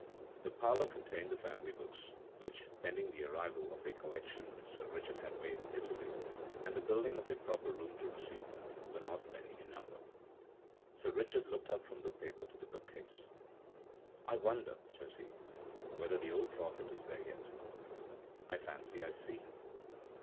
The parlour contained the family books, which, pending the arrival of a collection which Sir Richard had made in Italy, and the building of a proper room to receive them, were not many in number. Sir Richard looked up from the paper to the bookcase. "I wonder," says he, "whether the old prophet is there yet? I fancy I see him."